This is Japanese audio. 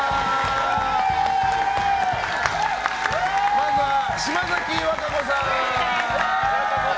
まずは島崎和歌子さん！